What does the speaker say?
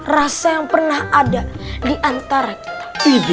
rasa yang pernah ada diantara kita